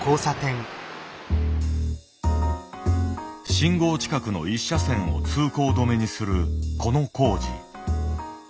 信号近くの１車線を通行止めにするこの工事。